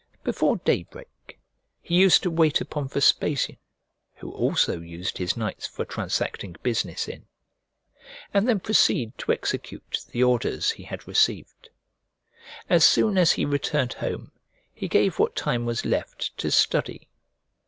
Before day break he used to wait upon Vespasian' (who also used his nights for transacting business in), and then proceed to execute the orders he had received. As soon as he returned home, he gave what time was left to study.